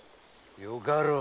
よかろう。